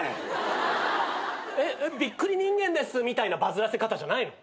「びっくり人間です」みたいなバズらせ方じゃないの？